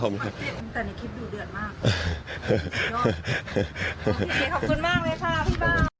ขอบคุณมากเลยค่ะพี่บ้า